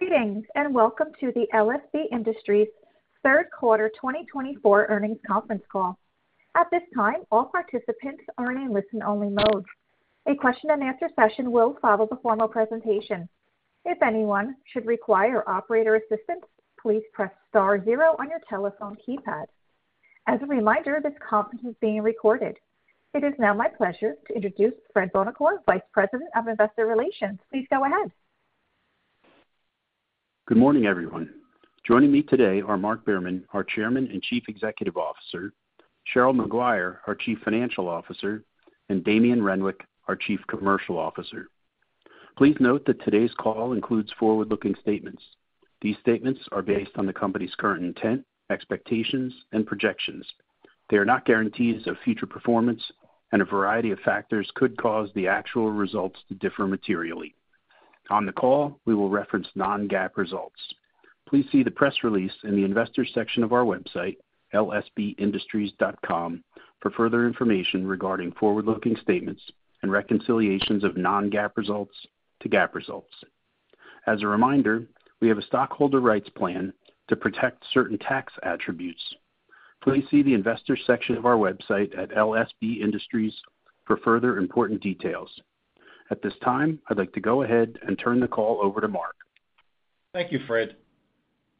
Greetings and welcome to the LSB Industries third quarter 2024 earnings conference call. At this time, all participants are in a listen-only mode. A question-and-answer session will follow the formal presentation. If anyone should require operator assistance, please press star zero on your telephone keypad. As a reminder, this conference is being recorded. It is now my pleasure to introduce Fred Buonocore, Vice President of Investor Relations. Please go ahead. Good morning, everyone. Joining me today are Mark Behrman, our Chairman and Chief Executive Officer, Cheryl Maguire, our Chief Financial Officer, and Damien Renwick, our Chief Commercial Officer. Please note that today's call includes forward-looking statements. These statements are based on the company's current intent, expectations, and projections. They are not guarantees of future performance, and a variety of factors could cause the actual results to differ materially. On the call, we will reference non-GAAP results. Please see the press release in the investor section of our website, lsbindustries.com, for further information regarding forward-looking statements and reconciliations of non-GAAP results to GAAP results. As a reminder, we have a stockholder rights plan to protect certain tax attributes. Please see the investor section of our website at lsbindustries for further important details. At this time, I'd like to go ahead and turn the call over to Mark. Thank you, Fred.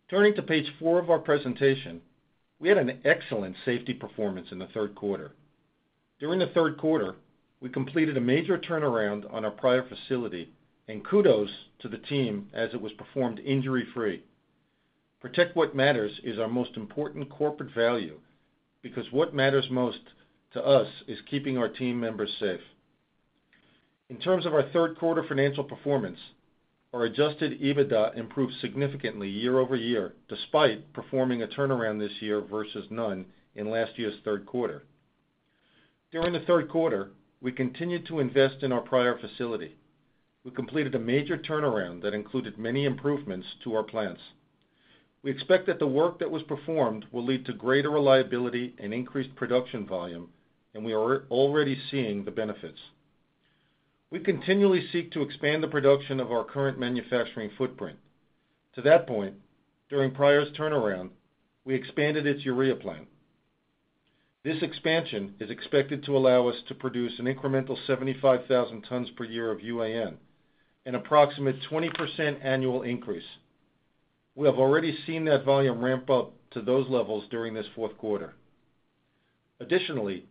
Turning to page four of our presentation, we had an excellent safety performance in the third quarter. During the third quarter, we completed a major turnaround on our Pryor facility, and kudos to the team as it was performed injury-free. Protect what matters is our most important corporate value because what matters most to us is keeping our team members safe. In terms of our third quarter financial performance, our adjusted EBITDA improved significantly year-over-year despite performing a turnaround this year versus none in last year's third quarter. During the third quarter, we continued to invest in our Pryor facility. We completed a major turnaround that included many improvements to our plants. We expect that the work that was performed will lead to greater reliability and increased production volume, and we are already seeing the benefits. We continually seek to expand the production of our current manufacturing footprint. To that point, during Pryor's turnaround, we expanded its urea plant. This expansion is expected to allow us to produce an incremental 75,000 tons per year of UAN, an approximate 20% annual increase. We have already seen that volume ramp up to those levels during this fourth quarter. Additionally,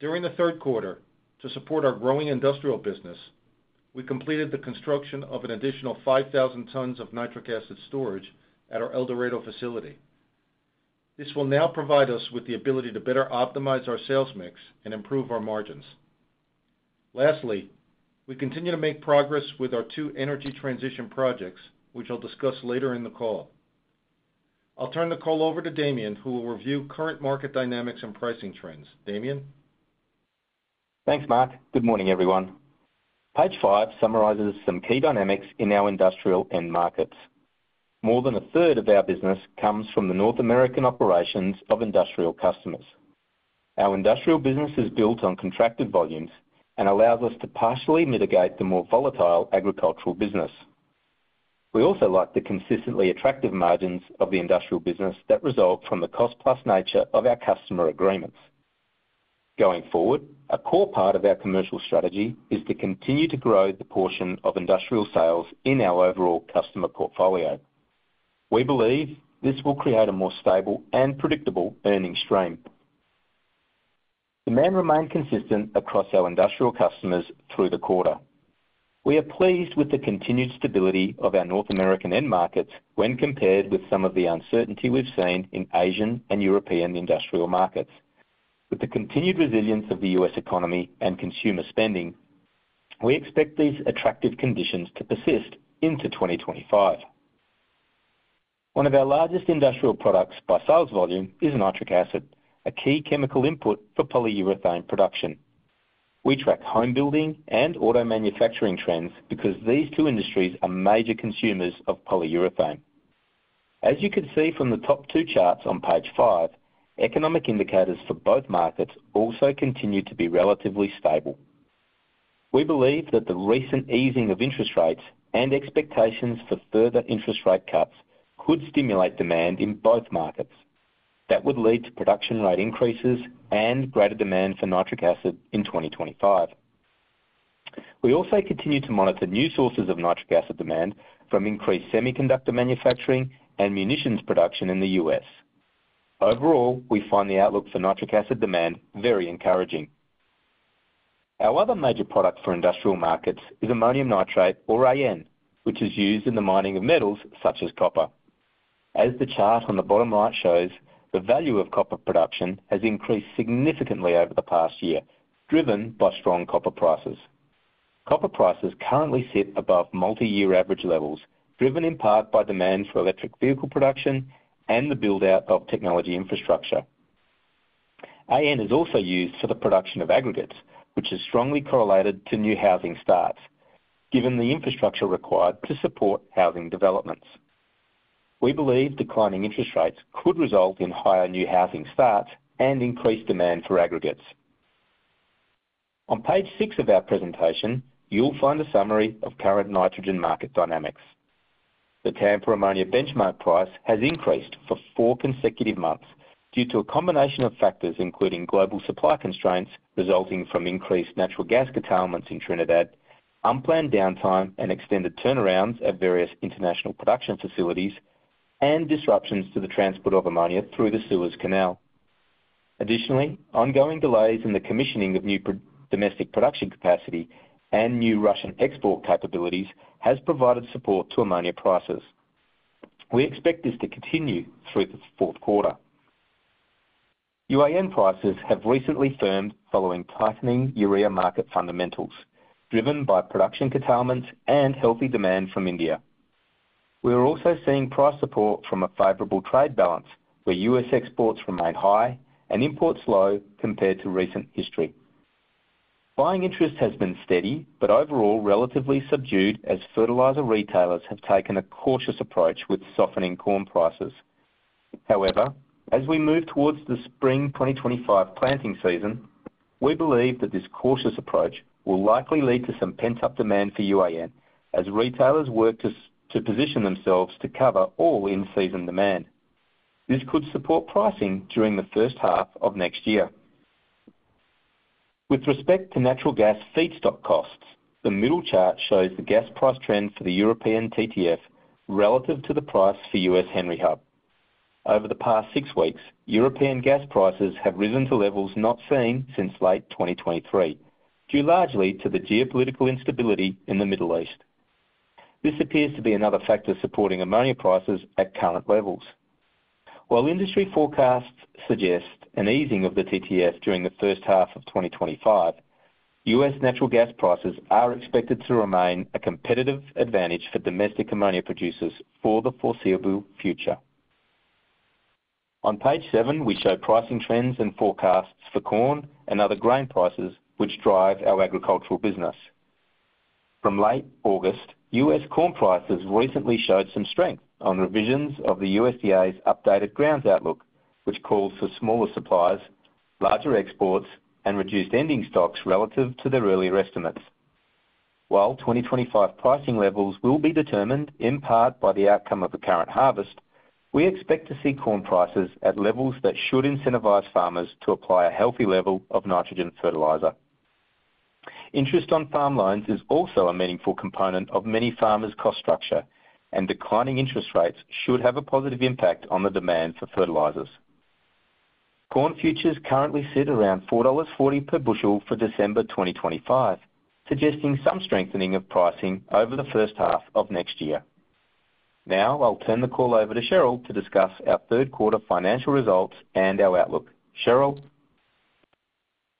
during the third quarter, to support our growing industrial business, we completed the construction of an additional 5,000 tons of nitric acid storage at our El Dorado facility. This will now provide us with the ability to better optimize our sales mix and improve our margins. Lastly, we continue to make progress with our two energy transition projects, which I'll discuss later in the call. I'll turn the call over to Damien, who will review current market dynamics and pricing trends. Damien? Thanks, Mark. Good morning, everyone. Page five summarizes some key dynamics in our industrial end markets. More than 1/3 of our business comes from the North American operations of industrial customers. Our industrial business is built on contracted volumes and allows us to partially mitigate the more volatile agricultural business. We also like the consistently attractive margins of the industrial business that result from the cost-plus nature of our customer agreements. Going forward, a core part of our commercial strategy is to continue to grow the portion of industrial sales in our overall customer portfolio. We believe this will create a more stable and predictable earnings stream. Demand remained consistent across our industrial customers through the quarter. We are pleased with the continued stability of our North American end markets when compared with some of the uncertainty we've seen in Asian and European industrial markets. With the continued resilience of the U.S. economy and consumer spending, we expect these attractive conditions to persist into 2025. One of our largest industrial products by sales volume is nitric acid, a key chemical input for polyurethane production. We track home building and auto manufacturing trends because these two industries are major consumers of polyurethane. As you can see from the top two charts on page five, economic indicators for both markets also continue to be relatively stable. We believe that the recent easing of interest rates and expectations for further interest rate cuts could stimulate demand in both markets. That would lead to production rate increases and greater demand for nitric acid in 2025. We also continue to monitor new sources of nitric acid demand from increased semiconductor manufacturing and munitions production in the U.S. Overall, we find the outlook for nitric acid demand very encouraging. Our other major product for industrial markets is ammonium nitrate, or AN, which is used in the mining of metals such as copper. As the chart on the bottom right shows, the value of copper production has increased significantly over the past year, driven by strong copper prices. Copper prices currently sit above multi-year average levels, driven in part by demand for electric vehicle production and the build-out of technology infrastructure. AN is also used for the production of aggregates, which is strongly correlated to new housing starts, given the infrastructure required to support housing developments. We believe declining interest rates could result in higher new housing starts and increased demand for aggregates. On page six of our presentation, you'll find a summary of current nitrogen market dynamics. The Tampa ammonia benchmark price has increased for four consecutive months due to a combination of factors including global supply constraints resulting from increased natural gas curtailments in Trinidad, unplanned downtime, and extended turnarounds at various international production facilities, and disruptions to the transport of ammonia through the Suez Canal. Additionally, ongoing delays in the commissioning of new domestic production capacity and new Russian export capabilities have provided support to ammonia prices. We expect this to continue through the fourth quarter. UAN prices have recently firmed following tightening urea market fundamentals, driven by production curtailments and healthy demand from India. We are also seeing price support from a favorable trade balance, where U.S. exports remain high and imports low compared to recent history. Buying interest has been steady but overall relatively subdued as fertilizer retailers have taken a cautious approach with softening corn prices. However, as we move towards the spring 2025 planting season, we believe that this cautious approach will likely lead to some pent-up demand for UAN as retailers work to position themselves to cover all in-season demand. This could support pricing during the first half of next year. With respect to natural gas feedstock costs, the middle chart shows the gas price trend for the European TTF relative to the price for U.S. Henry Hub. Over the past six weeks, European gas prices have risen to levels not seen since late 2023, due largely to the geopolitical instability in the Middle East. This appears to be another factor supporting ammonia prices at current levels. While industry forecasts suggest an easing of the TTF during the first half of 2025, U.S. natural gas prices are expected to remain a competitive advantage for domestic ammonia producers for the foreseeable future. On page seven, we show pricing trends and forecasts for corn and other grain prices, which drive our agricultural business. From late August, U.S. corn prices recently showed some strength on revisions of the USDA's updated grain outlook, which calls for smaller supplies, larger exports, and reduced ending stocks relative to their earlier estimates. While 2025 pricing levels will be determined in part by the outcome of the current harvest, we expect to see corn prices at levels that should incentivize farmers to apply a healthy level of nitrogen fertilizer. Interest on farm loans is also a meaningful component of many farmers' cost structure, and declining interest rates should have a positive impact on the demand for fertilizers. Corn futures currently sit around $4.40 per bushel for December 2025, suggesting some strengthening of pricing over the first half of next year. Now, I'll turn the call over to Cheryl to discuss our third quarter financial results and our outlook. Cheryl?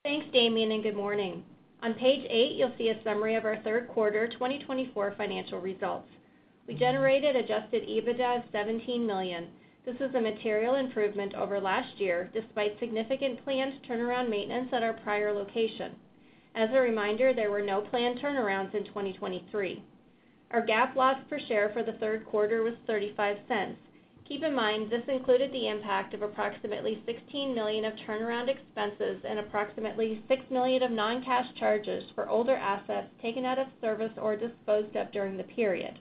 Thanks, Damien, and good morning. On page eight, you'll see a summary of our third quarter 2024 financial results. We generated adjusted EBITDA of $17 million. This is a material improvement over last year despite significant planned turnaround maintenance at our Pryor location. As a reminder, there were no planned turnarounds in 2023. Our GAAP loss per share for the third quarter was $0.35. Keep in mind, this included the impact of approximately $16 million of turnaround expenses and approximately $6 million of non-cash charges for older assets taken out of service or disposed of during the period.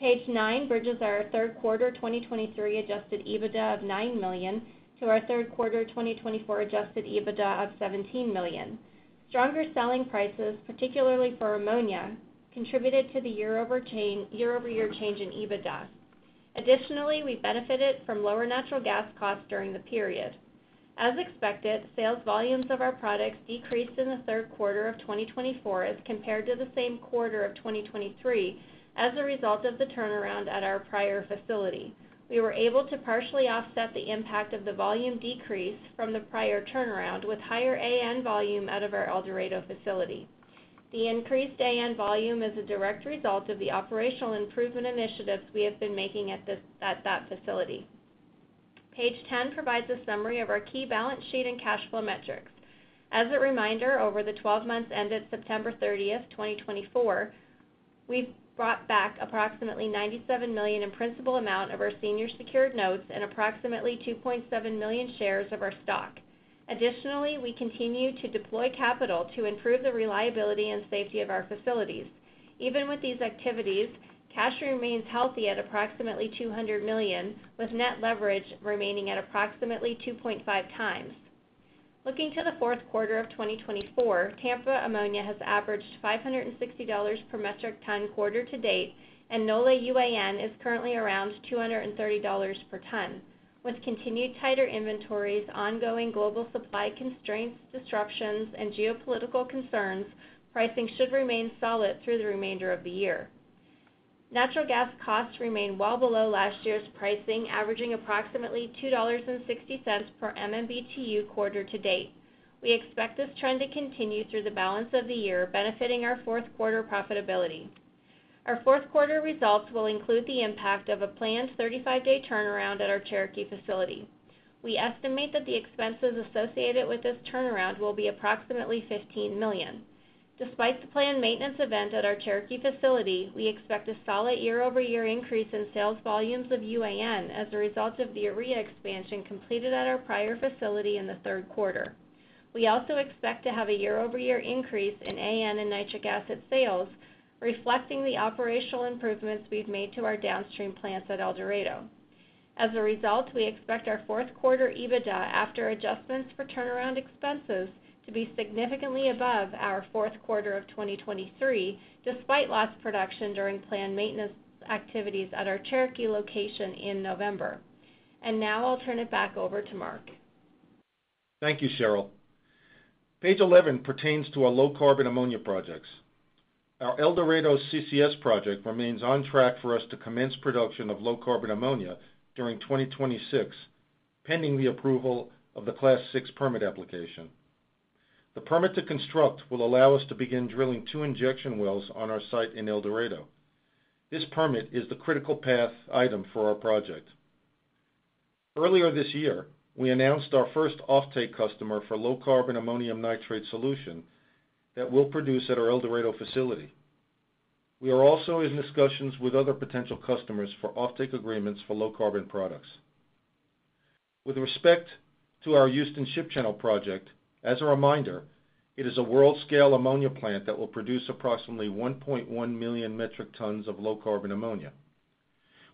Page nine bridges our third quarter 2023 adjusted EBITDA of $9 million to our third quarter 2024 adjusted EBITDA of $17 million. Stronger selling prices, particularly for ammonia, contributed to the year-over-year change in EBITDA. Additionally, we benefited from lower natural gas costs during the period. As expected, sales volumes of our products decreased in the third quarter of 2024 as compared to the same quarter of 2023 as a result of the turnaround at our Pryor facility. We were able to partially offset the impact of the volume decrease from the Pryor turnaround with higher AN volume out of our El Dorado facility. The increased AN volume is a direct result of the operational improvement initiatives we have been making at that facility. Page 10 provides a summary of our key balance sheet and cash flow metrics. As a reminder, over the 12 months ended September 30, 2024, we've brought back approximately $97 million in principal amount of our senior secured notes and approximately 2.7 million shares of our stock. Additionally, we continue to deploy capital to improve the reliability and safety of our facilities. Even with these activities, cash remains healthy at approximately $200 million, with net leverage remaining at approximately 2.5x. Looking to the fourth quarter of 2024, Tampa ammonia has averaged $560 per metric ton quarter to date, and NOLA UAN is currently around $230 per ton. With continued tighter inventories, ongoing global supply constraints, disruptions, and geopolitical concerns, pricing should remain solid through the remainder of the year. Natural gas costs remain well below last year's pricing, averaging approximately $2.60 per MMBtu quarter to date. We expect this trend to continue through the balance of the year, benefiting our fourth quarter profitability. Our fourth quarter results will include the impact of a planned 35-day turnaround at our Cherokee facility. We estimate that the expenses associated with this turnaround will be approximately $15 million. Despite the planned maintenance event at our Cherokee facility, we expect a solid year-over-year increase in sales volumes of UAN as a result of the urea expansion completed at our Pryor facility in the third quarter. We also expect to have a year-over-year increase in AN and nitric acid sales, reflecting the operational improvements we've made to our downstream plants at El Dorado. As a result, we expect our fourth quarter EBITDA, after adjustments for turnaround expenses, to be significantly above our fourth quarter of 2023, despite lost production during planned maintenance activities at our Cherokee location in November, and now I'll turn it back over to Mark. Thank you, Cheryl. Page 11 pertains to our low-carbon ammonia projects. Our El Dorado CCS project remains on track for us to commence production of low-carbon ammonia during 2026, pending the approval of the Class VI permit application. The permit to construct will allow us to begin drilling two injection wells on our site in El Dorado. This permit is the critical path item for our project. Earlier this year, we announced our first offtake customer for low-carbon ammonium nitrate solution that we'll produce at our El Dorado facility. We are also in discussions with other potential customers for offtake agreements for low-carbon products. With respect to our Houston Ship Channel project, as a reminder, it is a world-scale ammonia plant that will produce approximately 1.1 million metric tons of low-carbon ammonia.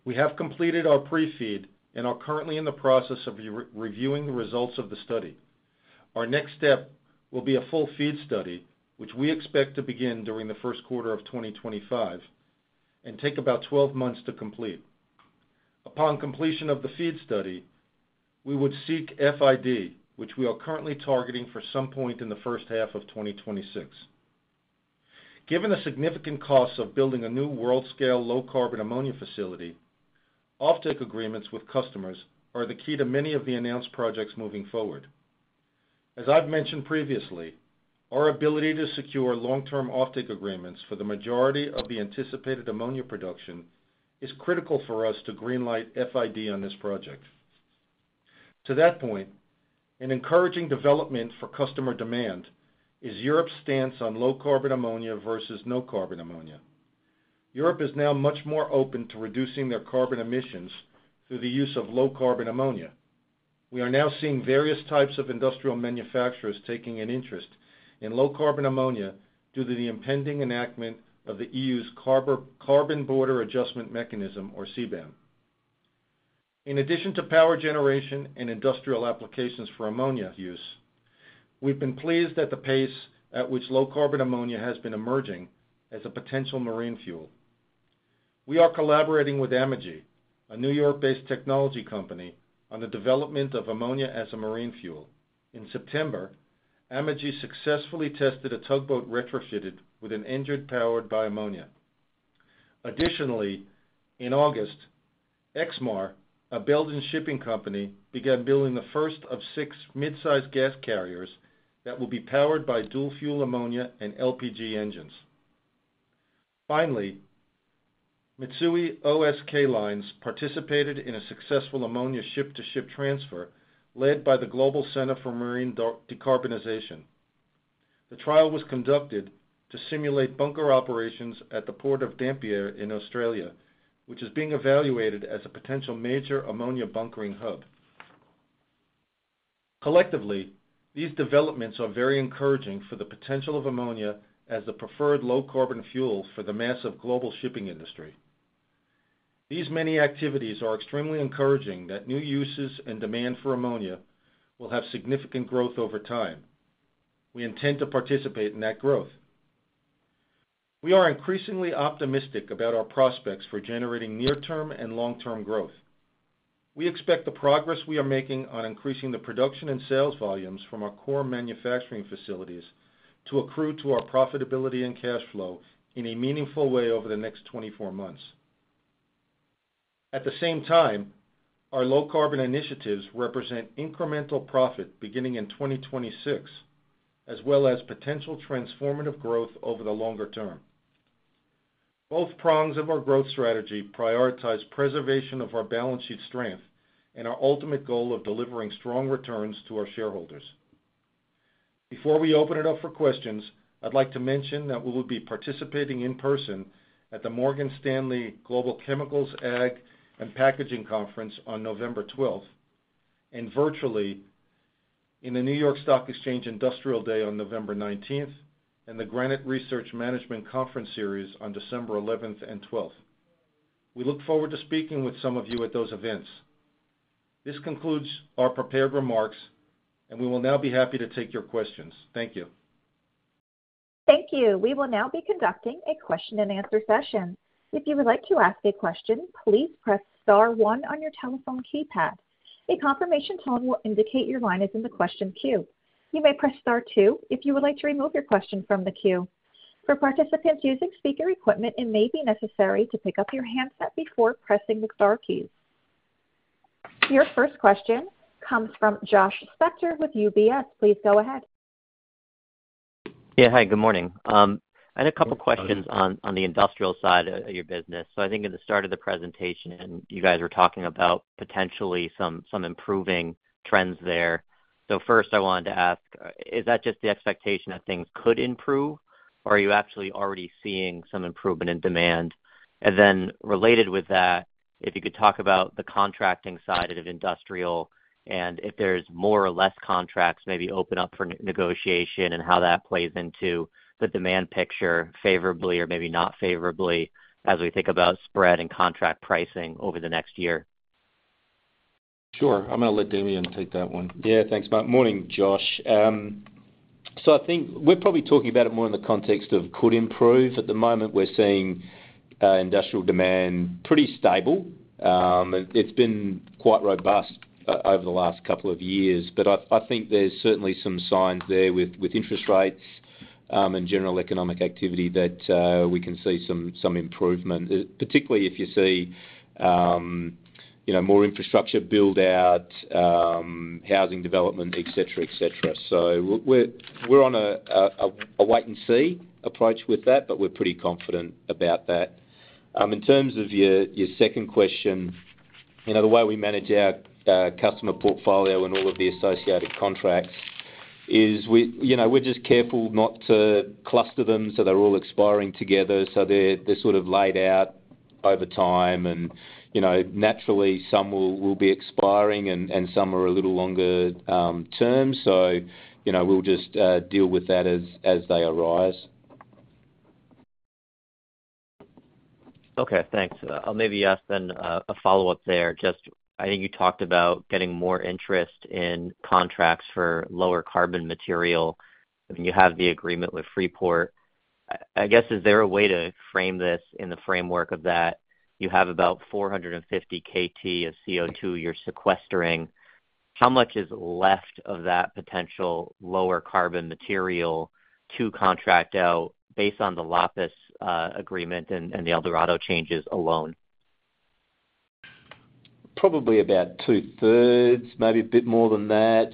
We have completed our pre-FEED and are currently in the process of reviewing the results of the study. Our next step will be a full FEED study, which we expect to begin during the first quarter of 2025 and take about 12 months to complete. Upon completion of the FEED study, we would seek FID, which we are currently targeting for some point in the first half of 2026. Given the significant costs of building a new world-scale low-carbon ammonia facility, offtake agreements with customers are the key to many of the announced projects moving forward. As I've mentioned previously, our ability to secure long-term offtake agreements for the majority of the anticipated ammonia production is critical for us to greenlight FID on this project. To that point, an encouraging development for customer demand is Europe's stance on low-carbon ammonia versus no-carbon ammonia. Europe is now much more open to reducing their carbon emissions through the use of low-carbon ammonia. We are now seeing various types of industrial manufacturers taking an interest in low-carbon ammonia due to the impending enactment of the EU's Carbon Border Adjustment Mechanism, or CBAM. In addition to power generation and industrial applications for ammonia use, we've been pleased at the pace at which low-carbon ammonia has been emerging as a potential marine fuel. We are collaborating with Amogy, a New York-based technology company, on the development of ammonia as a marine fuel. In September, Amogy successfully tested a tugboat retrofitted with an engine powered by ammonia. Additionally, in August, EXMAR, a Belgian shipping company, began building the first of six mid-size gas carriers that will be powered by dual-fuel ammonia and LPG engines. Finally, Mitsui O.S.K. Lines participated in a successful ammonia ship-to-ship transfer led by the Global Centre for Maritime Decarbonisation. The trial was conducted to simulate bunker operations at the Port of Dampier in Australia, which is being evaluated as a potential major ammonia bunkering hub. Collectively, these developments are very encouraging for the potential of ammonia as the preferred low-carbon fuel for the massive global shipping industry. These many activities are extremely encouraging that new uses and demand for ammonia will have significant growth over time. We intend to participate in that growth. We are increasingly optimistic about our prospects for generating near-term and long-term growth. We expect the progress we are making on increasing the production and sales volumes from our core manufacturing facilities to accrue to our profitability and cash flow in a meaningful way over the next 24 months. At the same time, our low-carbon initiatives represent incremental profit beginning in 2026, as well as potential transformative growth over the longer term. Both prongs of our growth strategy prioritize preservation of our balance sheet strength and our ultimate goal of delivering strong returns to our shareholders. Before we open it up for questions, I'd like to mention that we will be participating in person at the Morgan Stanley Global Chemicals, Ag and Packaging Conference on November 12, and virtually in the New York Stock Exchange Industrial Day on November 19, and the Granite Research Management Conference Series on December 11 and 12. We look forward to speaking with some of you at those events. This concludes our prepared remarks, and we will now be happy to take your questions. Thank you. Thank you. We will now be conducting a question-and-answer session. If you would like to ask a question, please press star one on your telephone keypad. A confirmation tone will indicate your line is in the question queue. You may press star two if you would like to remove your question from the queue. For participants using speaker equipment, it may be necessary to pick up your handset before pressing the star keys. Your first question comes from Josh Spector with UBS. Please go ahead. Yeah, hi, good morning. I had a couple of questions on the industrial side of your business. So I think at the start of the presentation, you guys were talking about potentially some improving trends there. So first, I wanted to ask, is that just the expectation that things could improve, or are you actually already seeing some improvement in demand? And then related with that, if you could talk about the contracting side of industrial and if there's more or less contracts maybe open up for negotiation and how that plays into the demand picture favorably or maybe not favorably as we think about spread and contract pricing over the next year. Sure. I'm going to let Damien take that one. Yeah, thanks about morning, Josh. So I think we're probably talking about it more in the context of could improve. At the moment, we're seeing industrial demand pretty stable. It's been quite robust over the last couple of years, but I think there's certainly some signs there with interest rates and general economic activity that we can see some improvement, particularly if you see more infrastructure build-out, housing development, etc., etc. So we're on a wait-and-see approach with that, but we're pretty confident about that. In terms of your second question, the way we manage our customer portfolio and all of the associated contracts is we're just careful not to cluster them so they're all expiring together. So they're sort of laid out over time. And naturally, some will be expiring and some are a little longer term. So we'll just deal with that as they arise. Okay, thanks. I'll maybe ask then a follow-up there. Just I think you talked about getting more interest in contracts for lower carbon material. I mean, you have the agreement with Freeport. I guess, is there a way to frame this in the framework of that? You have about 450 kt of CO2 you're sequestering. How much is left of that potential lower carbon material to contract out based on the Lapis agreement and the El Dorado changes alone? Probably about 2/3, maybe a bit more than that.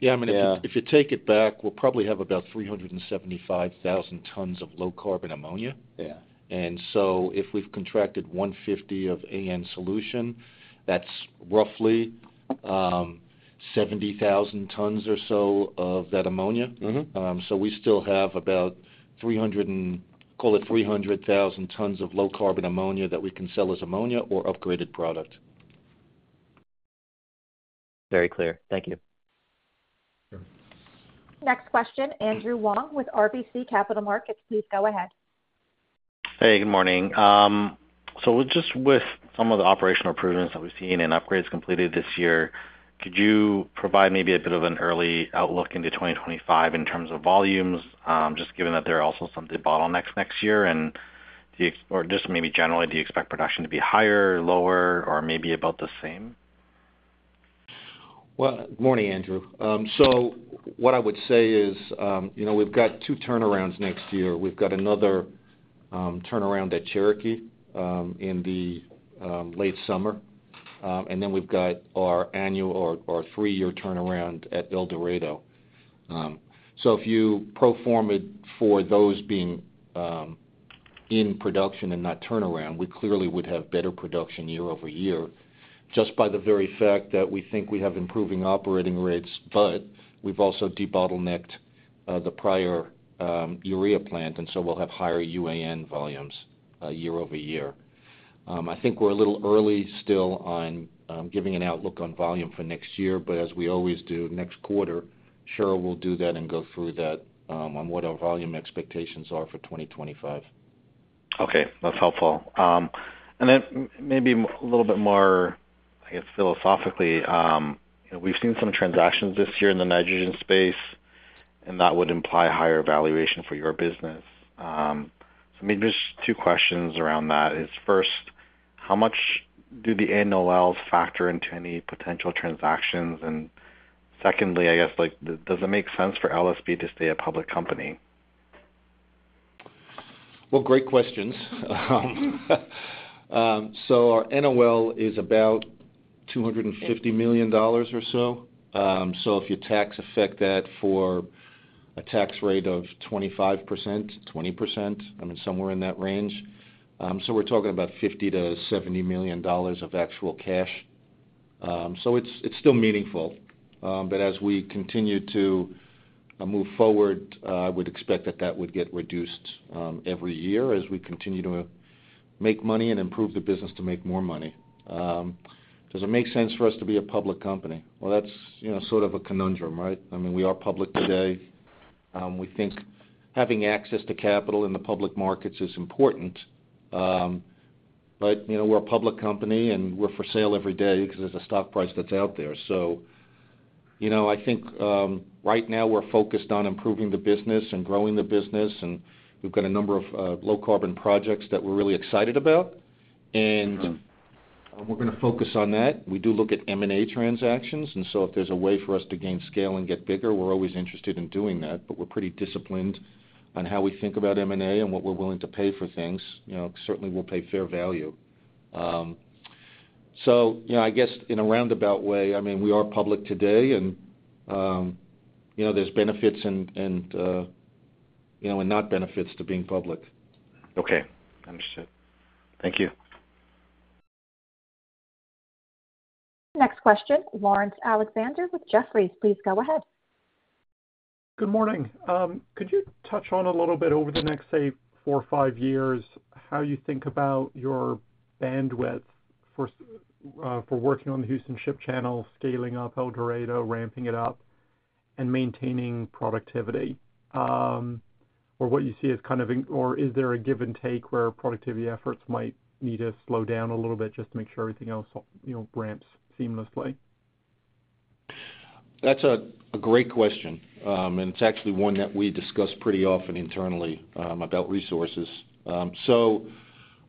Yeah, I mean, if you take it back, we'll probably have about 375,000 tons of low-carbon ammonia. And so if we've contracted 150 of AN solution, that's roughly 70,000 tons or so of that ammonia. So we still have about, call it 300,000 tons of low-carbon ammonia that we can sell as ammonia or upgraded product. Very clear. Thank you. Next question, Andrew Wong with RBC Capital Markets. Please go ahead. Hey, good morning. So just with some of the operational improvements that we've seen and upgrades completed this year, could you provide maybe a bit of an early outlook into 2025 in terms of volumes, just given that there are also some big bottlenecks next year? And just maybe generally, do you expect production to be higher, lower, or maybe about the same? Good morning, Andrew. What I would say is we've got two turnarounds next year. We've got another turnaround at Cherokee in the late summer, and then we've got our annual or three-year turnaround at El Dorado. If you pro forma it for those being in production and not turnaround, we clearly would have better production year-over-year just by the very fact that we think we have improving operating rates, but we've also debottlenecked the Pryor urea plant, and so we'll have higher UAN volumes year-over-year. I think we're a little early still on giving an outlook on volume for next year, but as we always do, next quarter, Cheryl will do that and go through that on what our volume expectations are for 2025. Okay, that's helpful. And then maybe a little bit more, I guess, philosophically, we've seen some transactions this year in the nitrogen space, and that would imply higher valuation for your business. So maybe just two questions around that. First, how much do the NOLs factor into any potential transactions? And secondly, I guess, does it make sense for LSB to stay a public company? Well, great questions. So our NOL is about $250 million or so. So if you tax-affect that for a tax rate of 25%, 20%, I mean, somewhere in that range. So we're talking about $50 million-$70 million of actual cash. So it's still meaningful. But as we continue to move forward, I would expect that that would get reduced every year as we continue to make money and improve the business to make more money. Does it make sense for us to be a public company? Well, that's sort of a conundrum, right? I mean, we are public today. We think having access to capital in the public markets is important. But we're a public company, and we're for sale every day because there's a stock price that's out there. So I think right now we're focused on improving the business and growing the business. And we've got a number of low-carbon projects that we're really excited about. And we're going to focus on that. We do look at M&A transactions. And so if there's a way for us to gain scale and get bigger, we're always interested in doing that. But we're pretty disciplined on how we think about M&A and what we're willing to pay for things. Certainly, we'll pay fair value. So I guess in a roundabout way, I mean, we are public today, and there's benefits and not benefits to being public. Okay, understood. Thank you. Next question, Laurence Alexander with Jefferies. Please go ahead. Good morning. Could you touch on a little bit over the next, say, four or five years, how you think about your bandwidth for working on the Houston Ship Channel, scaling up El Dorado, ramping it up, and maintaining productivity? Or what you see as kind of, or is there a give and take where productivity efforts might need to slow down a little bit just to make sure everything else ramps seamlessly? That's a great question. And it's actually one that we discuss pretty often internally about resources. So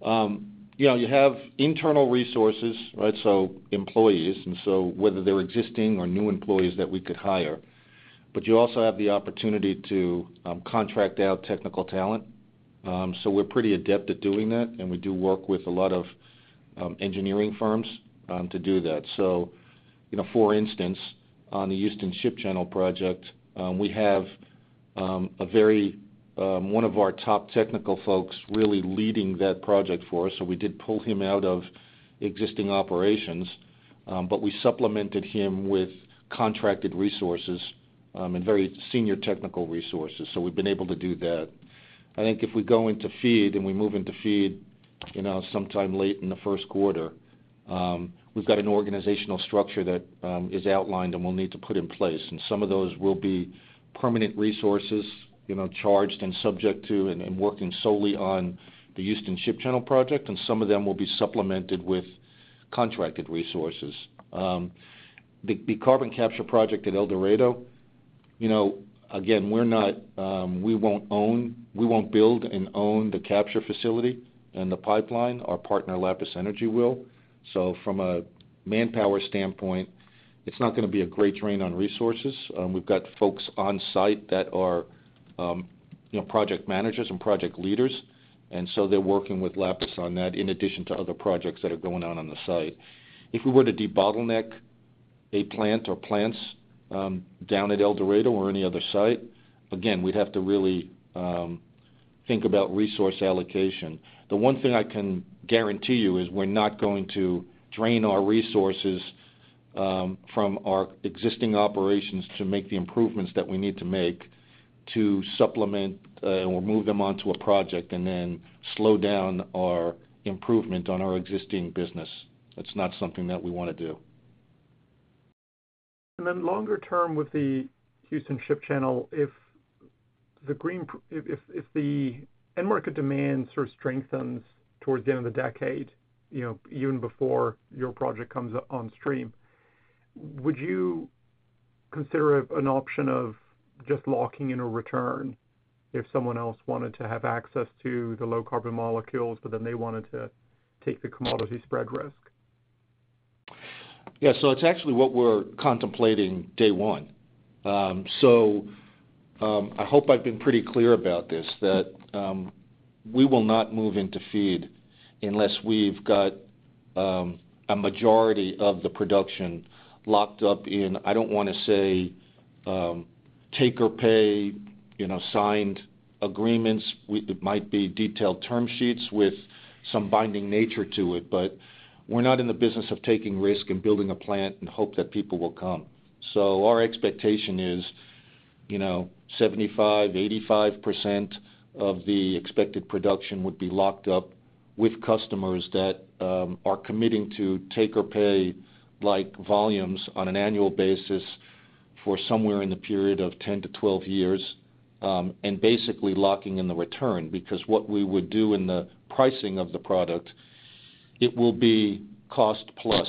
you have internal resources, right? Employees. And so whether they're existing or new employees that we could hire. But you also have the opportunity to contract out technical talent. So we're pretty adept at doing that. And we do work with a lot of engineering firms to do that. So for instance, on the Houston Ship Channel project, we have one of our top technical folks really leading that project for us. So we did pull him out of existing operations. But we supplemented him with contracted resources and very senior technical resources. So we've been able to do that. I think if we go into FEED and we move into FEED sometime late in the first quarter, we've got an organizational structure that is outlined and we'll need to put in place. And some of those will be permanent resources charged and subject to and working solely on the Houston Ship Channel project. And some of them will be supplemented with contracted resources. The carbon capture project at El Dorado, again, we won't build and own the capture facility and the pipeline. Our partner, Lapis Energy, will. So from a manpower standpoint, it's not going to be a great drain on resources. We've got folks on site that are project managers and project leaders. And so they're working with Lapis on that in addition to other projects that are going on the site. If we were to debottleneck a plant or plants down at El Dorado or any other site, again, we'd have to really think about resource allocation. The one thing I can guarantee you is we're not going to drain our resources from our existing operations to make the improvements that we need to make to supplement, and we'll move them on to a project and then slow down our improvement on our existing business. That's not something that we want to do. And then longer term with the Houston Ship Channel, if the end market demand sort of strengthens towards the end of the decade, even before your project comes on stream, would you consider an option of just locking in a return if someone else wanted to have access to the low-carbon molecules, but then they wanted to take the commodity spread risk? Yeah, so it's actually what we're contemplating day one. So I hope I've been pretty clear about this, that we will not move into FEED unless we've got a majority of the production locked up in. I don't want to say take or pay signed agreements. It might be detailed term sheets with some binding nature to it. But we're not in the business of taking risk and building a plant and hope that people will come. So our expectation is 75%, 85% of the expected production would be locked up with customers that are committing to take or pay like volumes on an annual basis for somewhere in the period of 10-12 years and basically locking in the return. Because what we would do in the pricing of the product, it will be cost plus.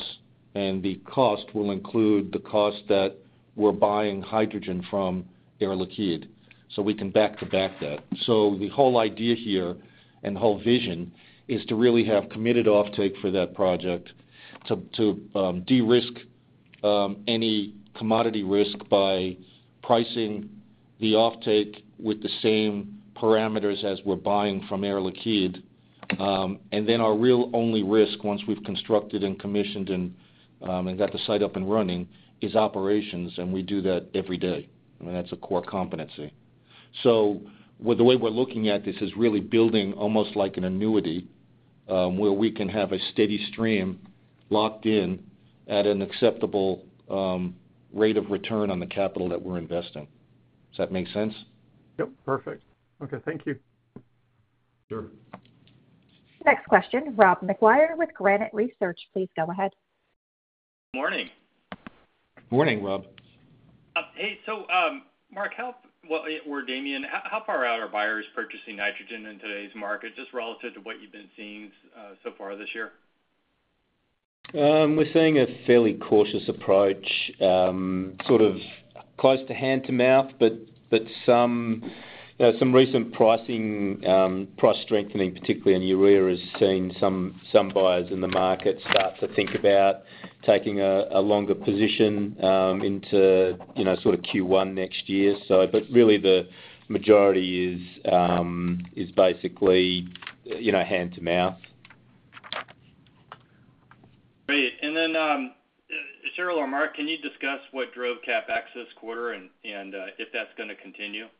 The cost will include the cost that we're buying hydrogen from Air Liquide. So we can back to back that. So the whole idea here and the whole vision is to really have committed offtake for that project to de-risk any commodity risk by pricing the offtake with the same parameters as we're buying from Air Liquide. And then our real only risk once we've constructed and commissioned and got the site up and running is operations. And we do that every day. I mean, that's a core competency. So the way we're looking at this is really building almost like an annuity where we can have a steady stream locked in at an acceptable rate of return on the capital that we're investing. Does that make sense? Yep, perfect. Okay, thank you. Sure. Next question, Rob McGuire with Granite Research. Please go ahead. Morning. Morning, Rob. Hey, so Mark, help. Well, or Damien, how far out are buyers purchasing nitrogen in today's market just relative to what you've been seeing so far this year? We're seeing a fairly cautious approach, sort of close to hand to mouth. But some recent pricing, price strengthening, particularly in urea, has seen some buyers in the market start to think about taking a longer position into sort of Q1 next year. But really, the majority is basically hand to mouth. Great. And then Cheryl or Mark, can you discuss what drove CapEx this quarter and if that's going to continue? Yeah,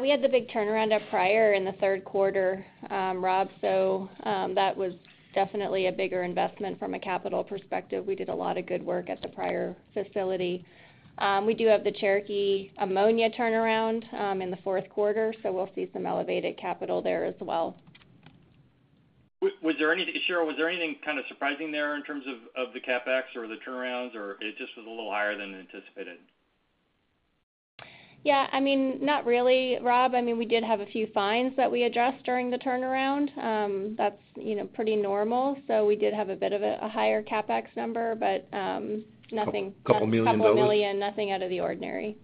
we had the big turnaround at Pryor in the third quarter, Rob, so that was definitely a bigger investment from a capital perspective. We did a lot of good work at the Pryor facility. We do have the Cherokee ammonia turnaround in the fourth quarter, so we'll see some elevated capital there as well. Was there anything, Cheryl, was there anything kind of surprising there in terms of the CapEx or the turnarounds, or it just was a little higher than anticipated? Yeah, I mean, not really, Rob. I mean, we did have a few fines that we addressed during the turnaround. That's pretty normal. So we did have a bit of a higher CapEx number, but nothing. $2 million. $2 million, nothing out of the ordinary.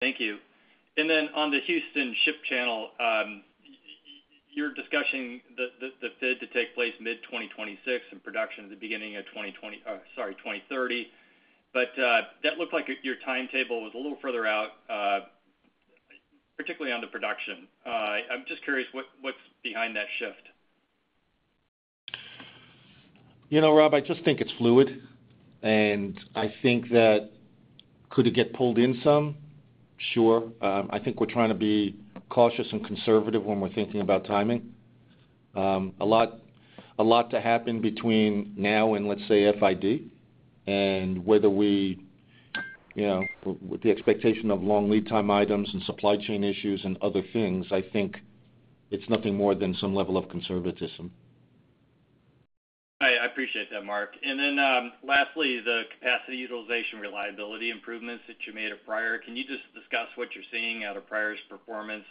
Thank you. And then on the Houston Ship Channel, you're discussing the FID to take place mid-2026 and production at the beginning of 2020, sorry, 2030. But that looked like your timetable was a little further out, particularly on the production. I'm just curious what's behind that shift. You know, Rob, I just think it's fluid, and I think that could it get pulled in some? Sure. I think we're trying to be cautious and conservative when we're thinking about timing. A lot to happen between now and, let's say, FID and whether we, with the expectation of long lead time items and supply chain issues and other things, I think it's nothing more than some level of conservatism. I appreciate that, Mark. And then lastly, the capacity utilization reliability improvements that you made at Pryor. Can you just discuss what you're seeing out of Pryor's performance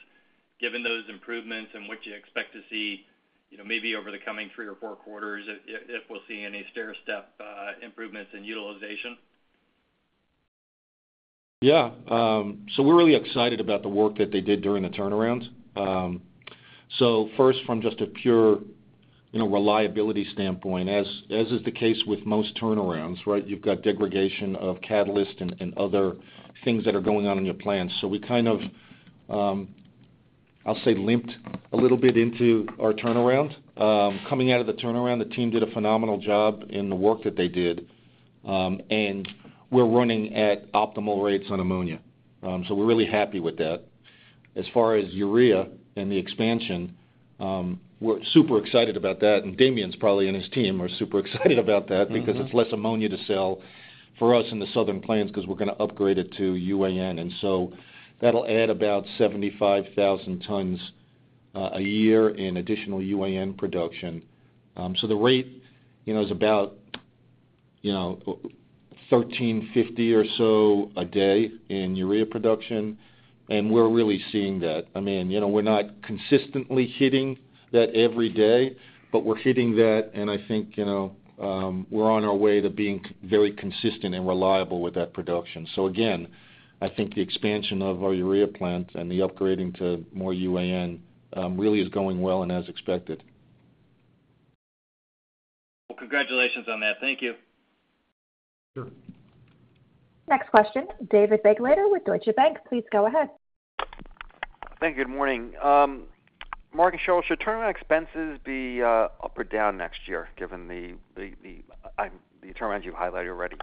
given those improvements and what you expect to see maybe over the coming three or four quarters if we'll see any stair-step improvements in utilization? Yeah. So we're really excited about the work that they did during the turnarounds. So first, from just a pure reliability standpoint, as is the case with most turnarounds, right, you've got degradation of catalysts and other things that are going on in your plants. So we kind of, I'll say, limped a little bit into our turnaround. Coming out of the turnaround, the team did a phenomenal job in the work that they did. And we're running at optimal rates on ammonia. So we're really happy with that. As far as urea and the expansion, we're super excited about that. And Damien's probably and his team are super excited about that because it's less ammonia to sell for us in the southern plains because we're going to upgrade it to UAN. And so that'll add about 75,000 tons a year in additional UAN production. So the rate is about 1,350 or so a day in urea production. And we're really seeing that. I mean, we're not consistently hitting that every day, but we're hitting that. And I think we're on our way to being very consistent and reliable with that production. So again, I think the expansion of our urea plant and the upgrading to more UAN really is going well and as expected. Congratulations on that. Thank you. Sure. Next question, David Begleiter with Deutsche Bank. Please go ahead. Thank you. Good morning. Mark and Cheryl, should turnaround expenses be up or down next year given the turnarounds you've highlighted already?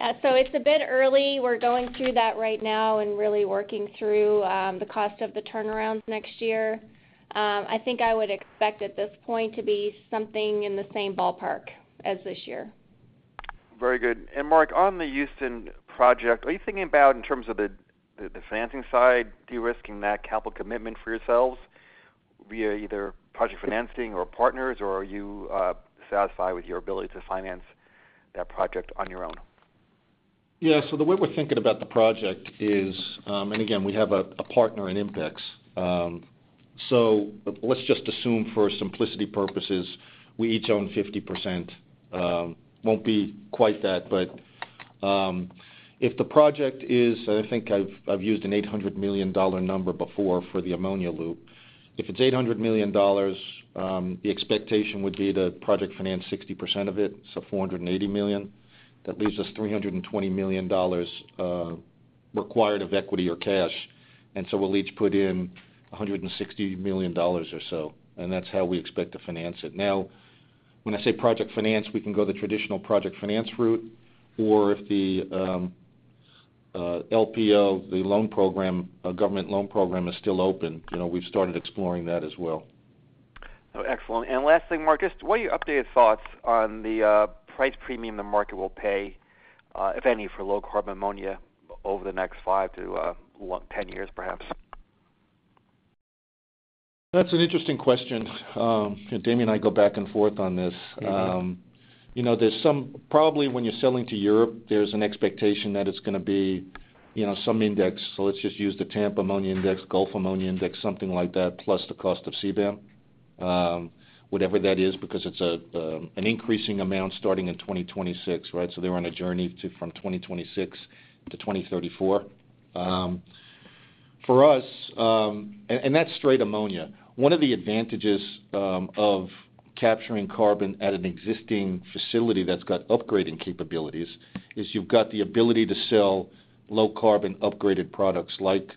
Yeah, so it's a bit early. We're going through that right now and really working through the cost of the turnarounds next year. I think I would expect at this point to be something in the same ballpark as this year. Very good. And Mark, on the Houston project, are you thinking about in terms of the financing side, de-risking that capital commitment for yourselves via either project financing or partners, or are you satisfied with your ability to finance that project on your own? Yeah. So the way we're thinking about the project is, and again, we have a partner, INPEX. So let's just assume for simplicity purposes, we each own 50%. Won't be quite that. But if the project is, and I think I've used an $800 million number before for the ammonia loop, if it's $800 million, the expectation would be to project finance 60% of it. So $480 million. That leaves us $320 million required of equity or cash. And so we'll each put in $160 million or so. And that's how we expect to finance it. Now, when I say project finance, we can go the traditional project finance route. Or if the LPO, the government loan program, is still open, we've started exploring that as well. Excellent. And last thing, Mark, just what are your updated thoughts on the price premium the market will pay, if any, for low carbon ammonia over the next five to 10 years, perhaps? That's an interesting question. Damien and I go back and forth on this. There's some probably when you're selling to Europe, there's an expectation that it's going to be some index. So let's just use the Tampa ammonia index, Gulf ammonia index, something like that, plus the cost of CBAM, whatever that is, because it's an increasing amount starting in 2026, right? So they're on a journey from 2026-2034. For us, and that's straight ammonia. One of the advantages of capturing carbon at an existing facility that's got upgrading capabilities is you've got the ability to sell low carbon upgraded products like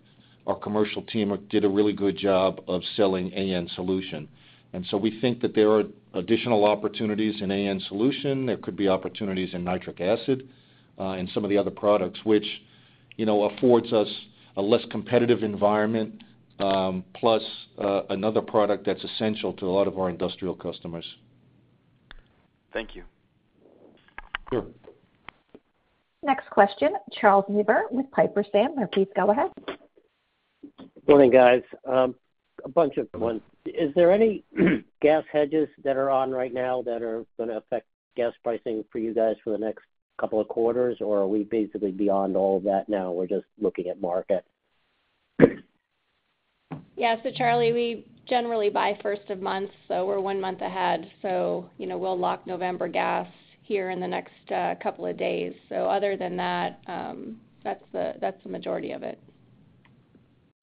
our commercial team did a really good job of selling AN solution. And so we think that there are additional opportunities in AN solution. There could be opportunities in nitric acid and some of the other products, which affords us a less competitive environment, plus another product that's essential to a lot of our industrial customers. Thank you. Sure. Next question, Charles Neivert with Piper Sandler. Please go ahead. Good morning, guys. A bunch of ones. Is there any gas hedges that are on right now that are going to affect gas pricing for you guys for the next couple of quarters, or are we basically beyond all of that now? We're just looking at market. Yeah. So Charlie, we generally buy first of month. So we're one month ahead. So we'll lock November gas here in the next couple of days. So other than that, that's the majority of it.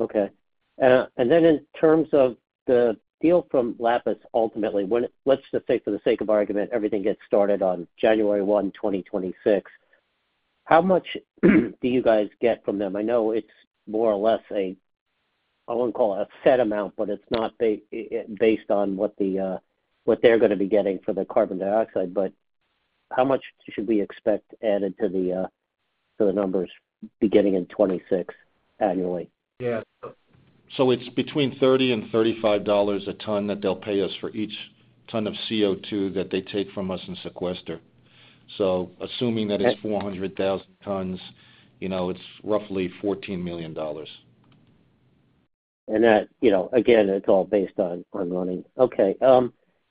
Okay. And then in terms of the deal from Lapis, ultimately, let's just say for the sake of argument, everything gets started on January 1, 2026. How much do you guys get from them? I know it's more or less a, I won't call it a set amount, but it's not based on what they're going to be getting for the carbon dioxide. But how much should we expect added to the numbers beginning in 2026 annually? Yeah. So it's between $30 and $35 a ton that they'll pay us for each ton of CO2 that they take from us and sequester. So assuming that it's 400,000 tons, it's roughly $14 million. And again, it's all based on running. Okay.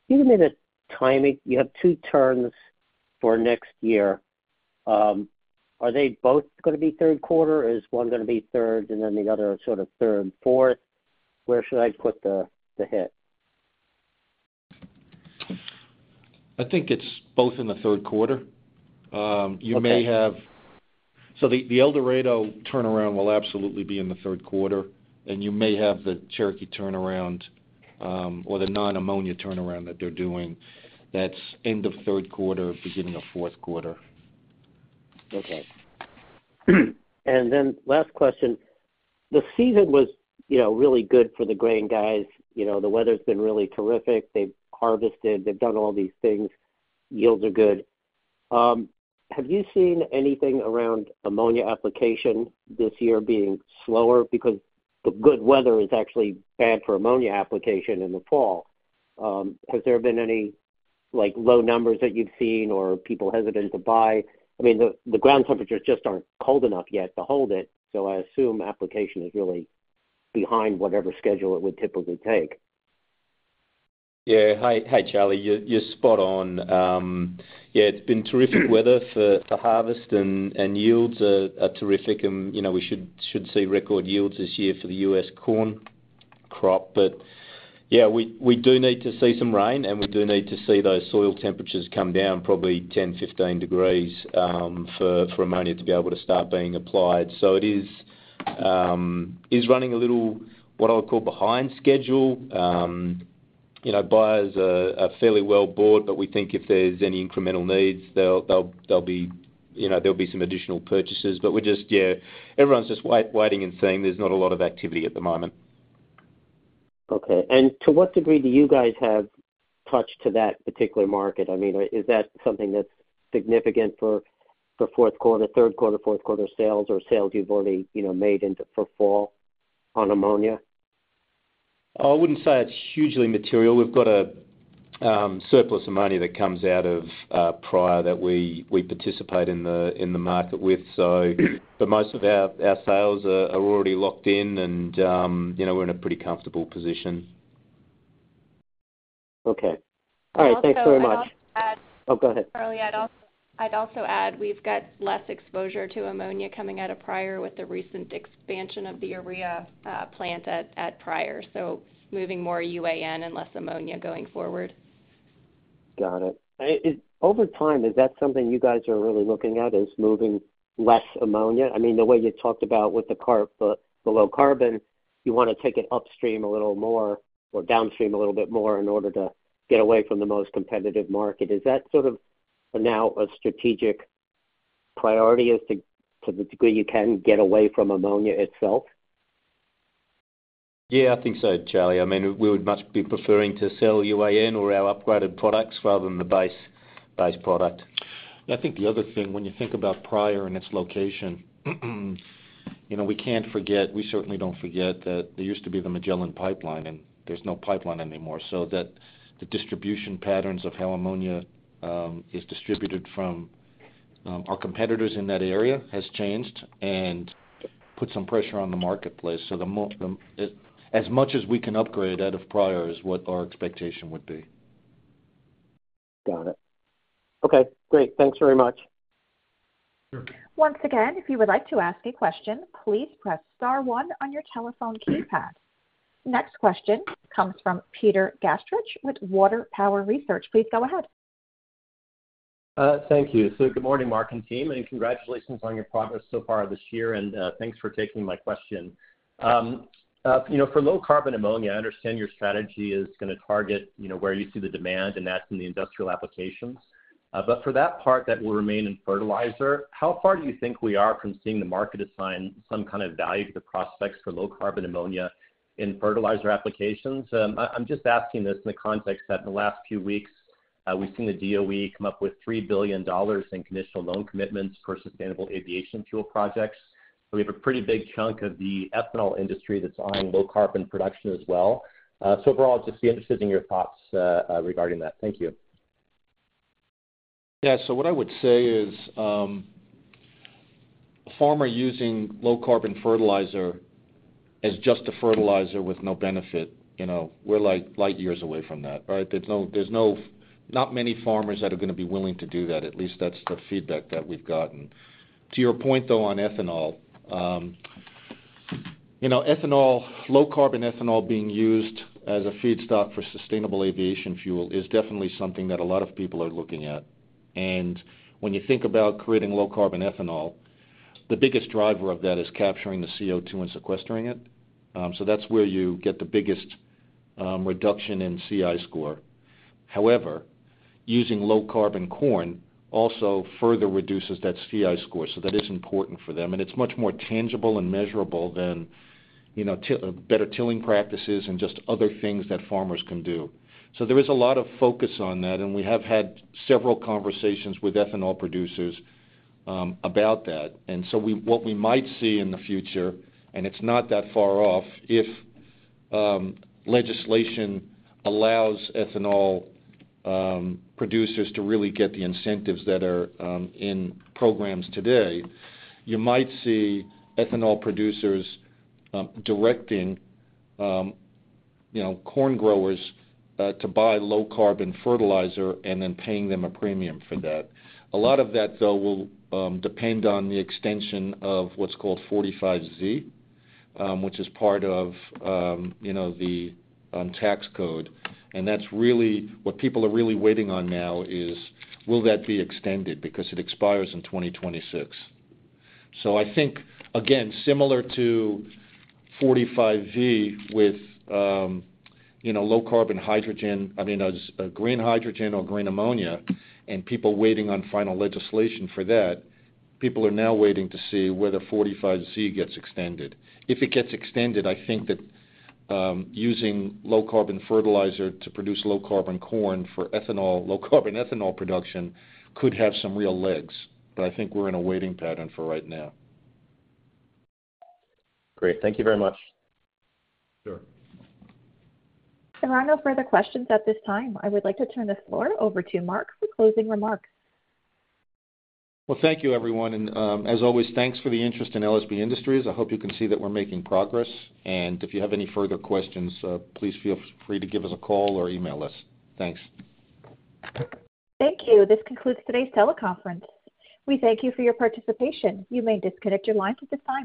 Even in a timing, you have two turns for next year. Are they both going to be third quarter? Is one going to be third and then the other sort of third, fourth? Where should I put the hit? I think it's both in the third quarter. You may have. So the El Dorado turnaround will absolutely be in the third quarter. And you may have the Cherokee turnaround or the non-ammonia turnaround that they're doing, that's end of third quarter, beginning of fourth quarter. Okay. And then last question. The season was really good for the grain guys. The weather's been really terrific. They've harvested. They've done all these things. Yields are good. Have you seen anything around ammonia application this year being slower? Because the good weather is actually bad for ammonia application in the fall. Has there been any low numbers that you've seen or people hesitant to buy? I mean, the ground temperatures just aren't cold enough yet to hold it. So I assume application is really behind whatever schedule it would typically take. Yeah. Hi, Charlie. You're spot on. Yeah. It's been terrific weather for harvest, and yields are terrific. And we should see record yields this year for the U.S. corn crop. But yeah, we do need to see some rain, and we do need to see those soil temperatures come down probably 10, 15 degrees for ammonia to be able to start being applied. So it is running a little, what I would call, behind schedule. Buyers are fairly well bought, but we think if there's any incremental needs, there'll be some additional purchases. But we're just, yeah, everyone's just waiting and seeing. There's not a lot of activity at the moment. Okay. And to what degree do you guys have exposure to that particular market? I mean, is that something that's significant for fourth quarter, third quarter, fourth quarter sales, or sales you've already made for fall on ammonia? I wouldn't say it's hugely material. We've got a surplus ammonia that comes out of Pryor that we participate in the market with. But most of our sales are already locked in, and we're in a pretty comfortable position. Okay. All right. Thanks very much. Oh, go ahead. Charlie, I'd also add we've got less exposure to ammonia coming out of Pryor with the recent expansion of the urea plant at Pryor. So moving more UAN and less ammonia going forward. Got it. Over time, is that something you guys are really looking at, is moving less ammonia? I mean, the way you talked about with the low carbon, you want to take it upstream a little more or downstream a little bit more in order to get away from the most competitive market. Is that sort of now a strategic priority to the degree you can get away from ammonia itself? Yeah, I think so, Charlie. I mean, we would much be preferring to sell UAN or our upgraded products rather than the base product. I think the other thing, when you think about Pryor and its location, we can't forget. We certainly don't forget that there used to be the Magellan pipeline, and there's no pipeline anymore. So the distribution patterns of how ammonia is distributed from our competitors in that area has changed and put some pressure on the marketplace. So as much as we can upgrade out of Pryor is what our expectation would be. Got it. Okay. Great. Thanks very much. Sure. Once again, if you would like to ask a question, please press star one on your telephone keypad. Next question comes from Peter Gastreich with Water Tower Research. Please go ahead. Thank you. So good morning, Mark and team. And congratulations on your progress so far this year. And thanks for taking my question. For low carbon ammonia, I understand your strategy is going to target where you see the demand, and that's in the industrial applications. But for that part that will remain in fertilizer, how far do you think we are from seeing the market assign some kind of value to the prospects for low carbon ammonia in fertilizer applications? I'm just asking this in the context that in the last few weeks, we've seen the DOE come up with $3 billion in conditional loan commitments for sustainable aviation fuel projects. We have a pretty big chunk of the ethanol industry that's eyeing low carbon production as well. So overall, just be interested in your thoughts regarding that. Thank you. Yeah, so what I would say is farmer using low-carbon fertilizer as just a fertilizer with no benefit, we're light years away from that, right? There's not many farmers that are going to be willing to do that. At least that's the feedback that we've gotten. To your point, though, on ethanol, low-carbon ethanol being used as a feedstock for sustainable aviation fuel is definitely something that a lot of people are looking at, and when you think about creating low-carbon ethanol, the biggest driver of that is capturing the CO2 and sequestering it, so that's where you get the biggest reduction in CI score. However, using low-carbon corn also further reduces that CI score, so that is important for them, and it's much more tangible and measurable than better tilling practices and just other things that farmers can do. There is a lot of focus on that. We have had several conversations with ethanol producers about that. What we might see in the future, and it's not that far off, if legislation allows ethanol producers to really get the incentives that are in programs today, you might see ethanol producers directing corn growers to buy low carbon fertilizer and then paying them a premium for that. A lot of that, though, will depend on the extension of what's called 45Z, which is part of the tax code. That's really what people are really waiting on now is, will that be extended because it expires in 2026? I think, again, similar to 45Z with low carbon hydrogen, I mean, green hydrogen or green ammonia, and people waiting on final legislation for that, people are now waiting to see whether 45Z gets extended. If it gets extended, I think that using low carbon fertilizer to produce low carbon corn for low carbon ethanol production could have some real legs. But I think we're in a waiting pattern for right now. Great. Thank you very much. Sure. There are no further questions at this time. I would like to turn the floor over to Mark for closing remarks. Thank you, everyone. As always, thanks for the interest in LSB Industries. I hope you can see that we're making progress. If you have any further questions, please feel free to give us a call or email us. Thanks. Thank you. This concludes today's teleconference. We thank you for your participation. You may disconnect your lines at this time.